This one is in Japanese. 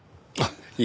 いえ